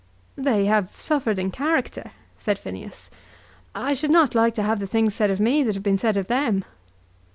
"They have suffered in character," said Phineas. "I should not like to have the things said of me that have been said of them."